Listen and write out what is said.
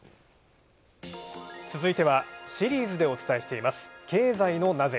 続いてはシリーズでお伝えしています、「ケーザイのナゼ？」。